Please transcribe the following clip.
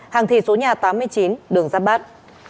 hàng thị số nhà tám mươi chín đường giáp bát